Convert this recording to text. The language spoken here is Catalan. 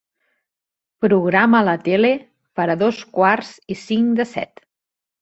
Programa la tele per a dos quarts i cinc de set.